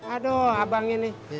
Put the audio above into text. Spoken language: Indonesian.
aduh abang ini